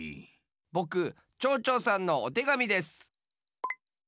ぼくちょうちょうさんのおてがみです。